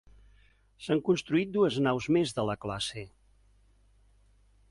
S'han construït dues naus més de la classe.